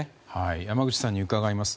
山口さんに伺います。